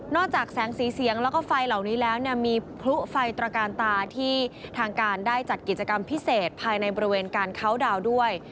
จากแสงสีเสียงแล้วก็ไฟเหล่านี้แล้วเนี่ยมีพลุไฟตระการตาที่ทางการได้จัดกิจกรรมพิเศษภายในบริเวณการเคาน์ดาวน์ด้วย